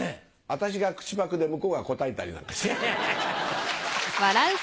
私が口パクで向こうが答えたりなんかして。